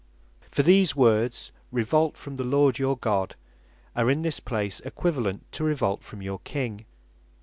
For these words, "revolt from the Lord your God," are in this place equivalent to "revolt from your King."